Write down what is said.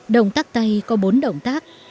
động tác tay có bốn động tác